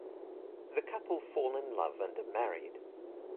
The couple fall in love and are married.